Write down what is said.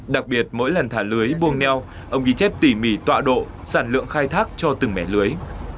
đặc biệt mỗi lần thả lưới buông neo ông ghi chép tỉ mỉ tọa độ sản lượng khai thác cho từng mẻ lưới